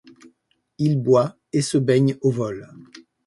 Il boit et se baigne au vol.